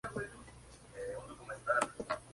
La anexión nunca fue un movimiento muy popular.